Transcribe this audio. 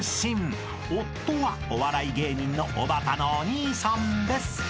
［夫はお笑い芸人のおばたのお兄さんです］